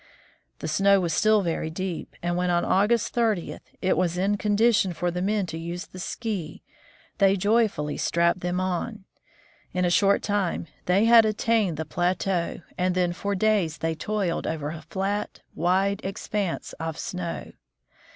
The snow was still very deep, and when, on August 30, it was in condition for the men to use the ski, they joyfully strapped them on. In a short time they had attained the NANSEN CROSSES GREENLAND 119 plateau, and then for days they toiled over a flat, wide expanse of snow.